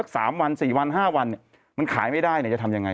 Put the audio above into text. สามวันสี่วันห้าวันมันขายไม่ได้จะทำอย่างไร